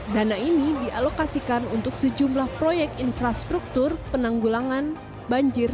dana ini dialokasikan untuk sejumlah proyek infrastruktur penanggulangan banjir